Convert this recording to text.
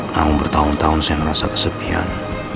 namun bertahun tahun saya merasa kesepian